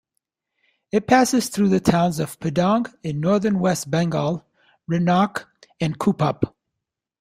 It passes through the towns of Pedong in northern West Bengal, Rhenok, and Kupup.